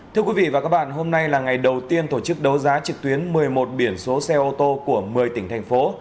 thưa quý vị và các bạn hôm nay là ngày đầu tiên tổ chức đấu giá trực tuyến một mươi một biển số xe ô tô của một mươi tỉnh thành phố